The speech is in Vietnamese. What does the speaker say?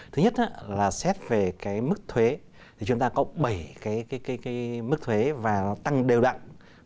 thứ nhất là xét về mức thuế chúng ta có bảy mức thuế và tăng đều đặn năm